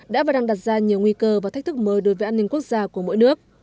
đã và đang đặt ra nhiều nguy cơ và thách thức mới đối với an ninh quốc gia của mỗi nước